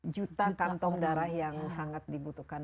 empat juta kantong darah yang sangat dibutuhkan